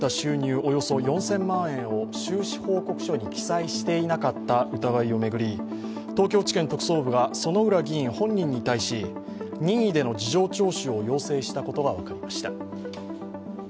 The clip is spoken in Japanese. およそ４０００万円を収支報告書に記載していなかった疑いを巡り、東京地検特捜部が薗浦議員本人に対し任意での事情聴取を要請したことが分かりました。